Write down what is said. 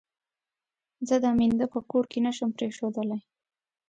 زه دا مينده په کور کې نه شم پرېښودلای.